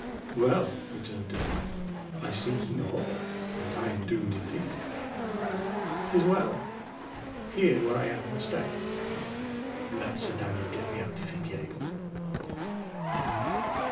"Well," returned Dick, "I see ye know all, and that I am doomed indeed. It is well. Here, where I am, I stay. Let Sir Daniel get me out if he be able!"